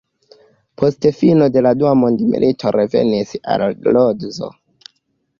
Post fino de la dua mondmilito revenis al Lodzo.